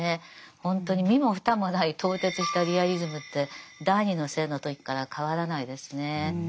ほんとに身も蓋もない透徹したリアリズムって「第二の性」の時から変わらないですね。